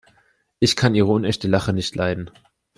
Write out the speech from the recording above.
Ich kann ihre unechte Lache nicht leiden.